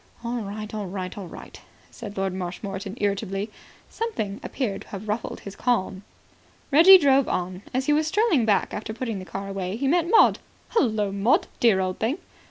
"All right. All right. All right," said Lord Marshmoreton irritably. Something appeared to have ruffled his calm. Reggie drove on. As he was strolling back after putting the car away he met Maud. "Hullo, Maud, dear old thing."